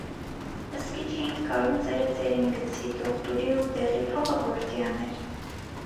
- Ըսկի չէինք կարում ծերը ծերին գցի, դոխտուրի ու դեղի փողը ո՞րդիան էր.